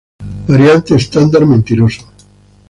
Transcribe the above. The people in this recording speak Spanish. Variante estándar Mentiroso.